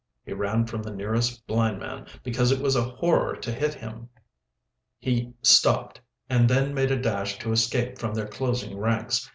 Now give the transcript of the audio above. He ran from the nearest blind man, because it was a horror to hit him. He stopped, and then made a dash to escape from their closing ranks.